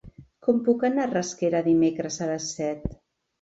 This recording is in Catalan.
Com puc anar a Rasquera dimecres a les set?